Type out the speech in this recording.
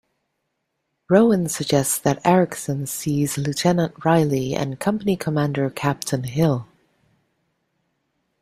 Rowan suggests that Eriksson sees Lieutenant Reilly and Company commander Captain Hill.